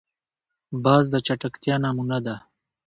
باز د چټکتیا نمونه ده